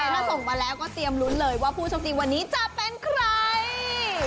ถ้าส่งมาแล้วก็เตรียมลุ้นเลยว่าผู้โชคดีวันนี้จะเป็นใคร